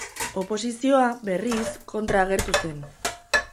Oposizioa, berriz, kontra agertu zen.